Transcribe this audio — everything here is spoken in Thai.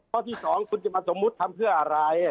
ข้อที่๒คุณจะมาสมมุติทำเพื่ออะไร